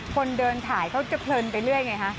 คนเดินถ่ายเขาจะเพลินไปเรื่อยไงฮะ